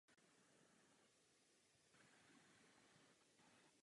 Tento prvek byl pravděpodobně převzat právě ze zmiňovaných původních prototypů.